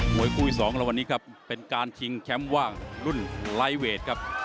วยคู่อีก๒แล้ววันนี้ครับเป็นการชิงแชมป์ว่างรุ่นไลฟ์เวทครับ